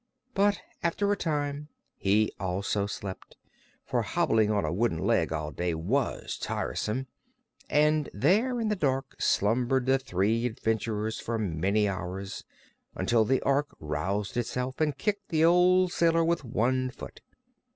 But after a time he also slept, for hobbling on a wooden leg all day was tiresome, and there in the dark slumbered the three adventurers for many hours, until the Ork roused itself and kicked the old sailor with one foot.